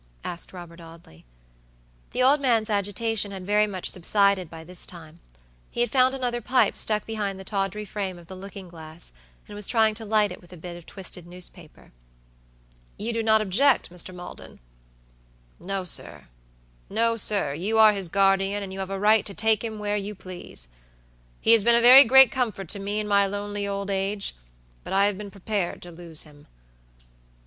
asked Robert Audley. The old man's agitation had very much subsided by this time. He had found another pipe stuck behind the tawdry frame of the looking glass, and was trying to light it with a bit of twisted newspaper. "You do not object, Mr. Maldon?" "No, sirno, sir; you are his guardian, and you have a right to take him where you please. He has been a very great comfort to me in my lonely old age, but I have been prepared to lose him.